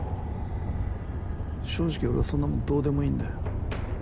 正直俺はそんなもんどうでもいいんだよ。